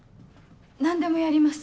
何でもやります。